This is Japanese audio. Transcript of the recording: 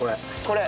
これ？